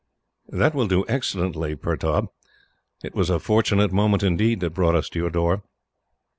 "That will do excellently, Pertaub. It was a fortunate moment, indeed, that brought us to your door."